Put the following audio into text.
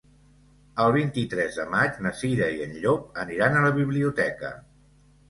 El vint-i-tres de maig na Cira i en Llop aniran a la biblioteca.